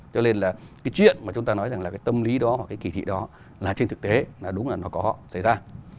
cho nên là cái chuyện mà chúng ta nói rằng là cái tâm lý đó hoặc cái kỳ thị đó là trên thực tế là đúng là nó có xảy ra